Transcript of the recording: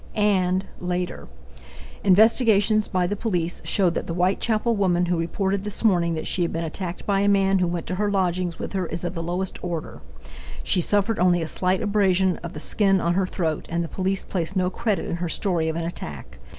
Later. Investigations by the police show that the Whitechapel woman who reported this morning that she had been attacked by a man who went to her lodgings with her is of the lowest order. She suffered only a slight abrasion of the skin on her throat, and the police place no credit in her story of an attack.